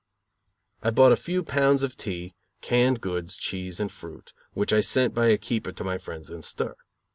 I bought a few pounds of tea, canned goods, cheese and fruit, which I sent by a keeper to my friends in stir.